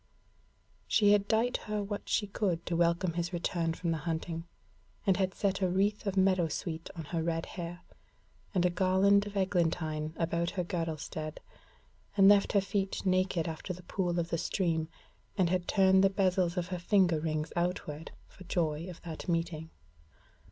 She had dight her what she could to welcome his return from the hunting, and had set a wreath of meadow sweet on her red hair, and a garland of eglantine about her girdlestead, and left her feet naked after the pool of the stream, and had turned the bezels of her finger rings outward, for joy of that meeting.